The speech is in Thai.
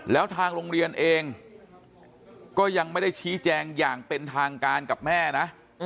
แล้วทางโรงเรียนเองก็ยังไม่ได้ชี้แจงอย่างเป็นทางการกับแม่นะ